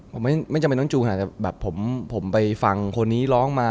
ผมไม่จำเป็นต้องจูลผมไปฟังคนนี้ร้องมา